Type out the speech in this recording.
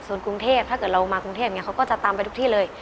ส่วนกรุงเทพถ้าเกิดเรามากรุงเทพเขาก็จะตามไปทุกที่เลย